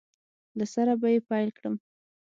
له سره به یې پیل کړم